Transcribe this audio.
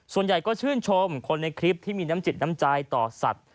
ส่วนใหญ่ก็ชื่นชมคนในคลิปที่มีน้ำจิตน้ำใจต่อสัตว์